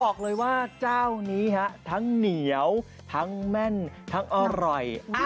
บอกเลยว่าเจ้านี้ทั้งเหนียวทั้งแม่นทั้งอร่อย